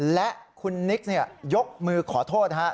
และคุณนิกยกมือขอโทษนะครับ